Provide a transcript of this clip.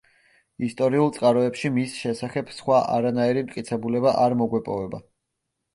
ისტორიულ წყაროებში მის შესახებ სხვა არანაირი მტკიცებულება არ მოგვეპოვება.